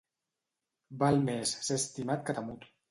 Val més ser estimat que temut.